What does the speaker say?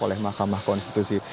oleh mahkamah konstitusi